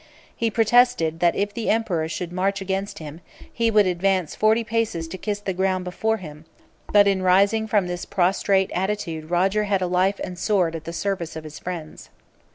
He protested, that if the emperor should march against him, he would advance forty paces to kiss the ground before him; but in rising from this prostrate attitude Roger had a life and sword at the service of his friends.